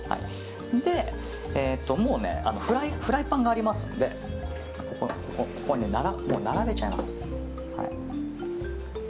で、フライパンがありますんでここに並べちゃいます。